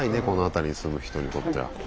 この辺りに住む人にとっては。